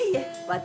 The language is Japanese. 私！？